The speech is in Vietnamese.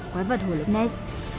quái vật hồ lúc nét